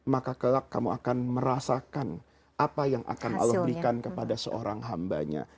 maka kelak kamu akan merasakan apa yang akan allah berikan kepada seorang hambanya